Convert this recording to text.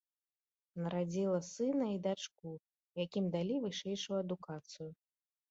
Нарадзіла сына і дачку, якім далі вышэйшую адукацыю.